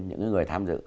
những người tham dự